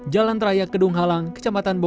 jalan raya kedung halang kecamatan